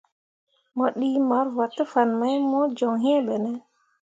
Mo ɗii marvǝǝ te fan mai mo joŋ iŋ ɓene ?